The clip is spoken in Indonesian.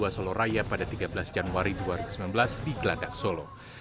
dua solo raya pada tiga belas januari dua ribu sembilan belas di geladak solo